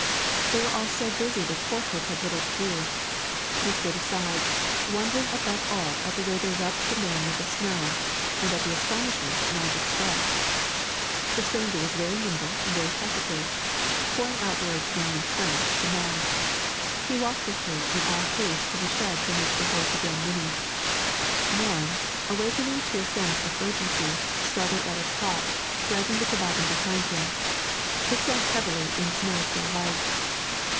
They were all so busy that Courthope had little to do; he stood aside, wondering above all at the way they rubbed the man with the snow, and at the astonishment that Madge expressed. The stranger was very nimble and very talkative; pouring out words now in French to Madge, he walked with her in all haste to the shed from which the horse again whinnied. Morin, awakening to a sense of urgency, started at a trot, dragging the toboggan behind him; it sank heavily in snow so light.